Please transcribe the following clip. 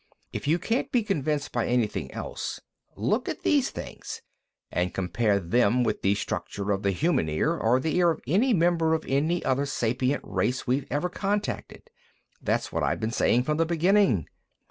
"If you can't be convinced by anything else, look at these things, and compare them with the structure of the human ear, or the ear of any member of any other sapient race we're ever contacted. That's what I've been saying from the beginning."